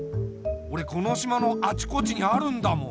おれこの島のあちこちにあるんだもん。